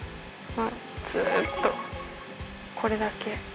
ずっとこれだけ。